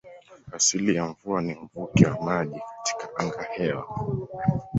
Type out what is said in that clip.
Asili ya mvua ni mvuke wa maji katika angahewa.